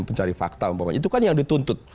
pencari fakta umpamanya itu kan yang dituntut